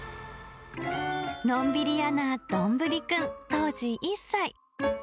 のんびり屋などんぶりくん、当時１歳。